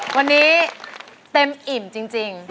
วันนี้เต็มอิ่มจริง